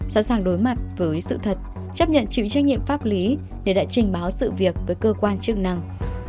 sẵn sàng đối mặt với sự thật chấp nhận chịu trách nhiệm pháp lý để trình báo sự việc với cơ quan chức năng